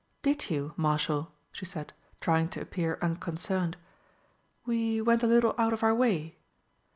"Did you, Marshal?" she said, trying to appear unconcerned. "We went a little out of our way."